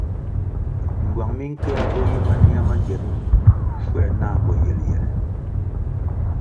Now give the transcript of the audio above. Ngywang minkéah bo yi mania ma gienon schuer na boyeyel.